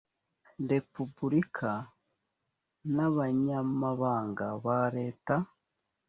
repubulika n abanyamabanga ba leta